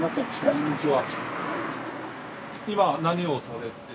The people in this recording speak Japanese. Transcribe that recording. こんにちは。